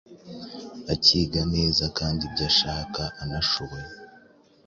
akiga neza kandi ibyo ashaka anashoboye.